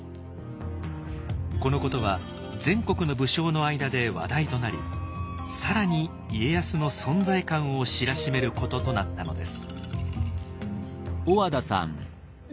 このことは全国の武将の間で話題となり更に家康の存在感を知らしめることとなったのです。